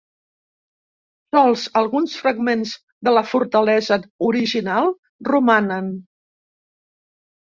Sols alguns fragments de la fortalesa original romanen.